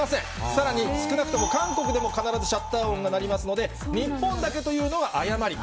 さらに少なくとも韓国でも必ずシャッター音が鳴りますので、日本だけというのは誤り。